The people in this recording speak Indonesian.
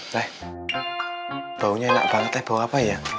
teh baunya enak banget teh bau apa ya